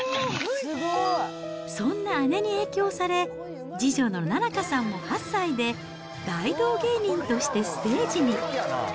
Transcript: そんな姉に影響され、次女の菜々花さんも８歳で大道芸人としてステージに。